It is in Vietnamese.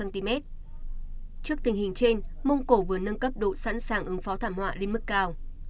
trước tình hình trên mông cổ vừa nâng cấp độ sẵn sàng ứng phó thảm họa lên mức cao